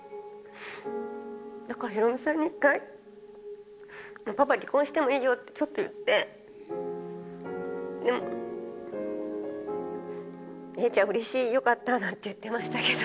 だからヒロミさんに、パパ離婚してもいいよってちょっと言って、でも、伊代ちゃん、うれしい、よかったなんて言ってましたけど。